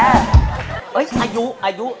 เอ๊ยอายุ